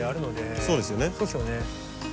そうですよね。